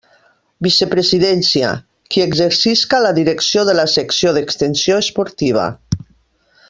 Vicepresidència: qui exercisca la direcció de la Secció d'Extensió Esportiva.